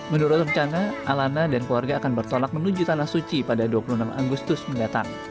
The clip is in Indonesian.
menurut rencana alana dan keluarga akan bertolak menuju tanah suci pada dua puluh enam agustus mendatang